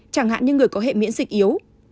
chẳng hạn như người có hệ miễn dịch yếu